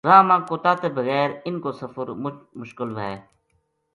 راہ ما کتا تے بغیر اِنھ کو سفر مُچ مشکل وھے